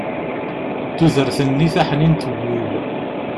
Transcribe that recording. tudert-nni taḥnint n wul